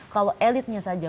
kalau elitnya saja